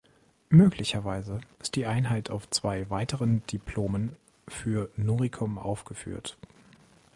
Möglicherweise ist die Einheit auf zwei weiteren Diplomen für "Noricum" aufgeführt.